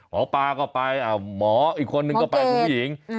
หมอปลาก็ไปหมออีกคนนึงก็ไปคุณผู้หญิง